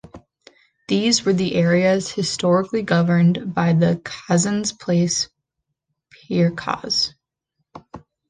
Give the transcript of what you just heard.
These were the areas historically governed by the Kazan Palace's Prikaz.